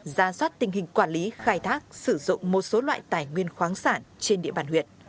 ra soát tình hình quản lý khai thác sử dụng một số loại tài nguyên khoáng sản trên địa bàn huyện